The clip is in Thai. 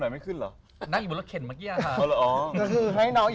แล้วก็จะไปที่พยาบาลทำไม